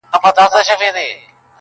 ستا د تروم له بد شامته جنګېدله -